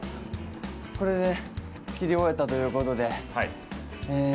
これで切り終えたという事で。